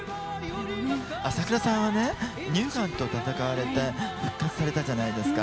麻倉さんは乳がんと闘われて復活されたじゃないですか。